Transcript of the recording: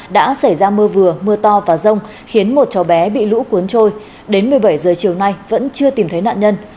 đã xảy ra mưa vừa mưa to và rông khiến một cháu bé bị lũ cuốn trôi đến một mươi bảy h chiều nay vẫn chưa tìm thấy nạn nhân